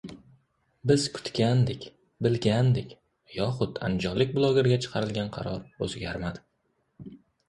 Biz kutgandik, bilgandik yoxud andijonlik blogerga chiqarilgan qaror o‘zgarmadi